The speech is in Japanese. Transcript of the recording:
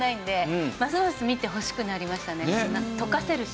溶かせるし。